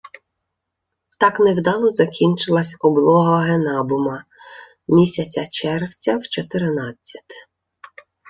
Так невдало закінчилась облога Генабума місяця червця в чотирнадцяте.